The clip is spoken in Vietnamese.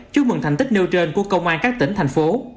chúc mừng thành tích nêu trên của công an các tỉnh thành phố